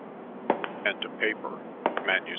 and a paper MS.